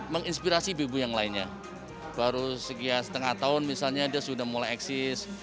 menginspirasi ibu ibu yang lainnya baru sekian setengah tahun misalnya dia sudah mulai eksis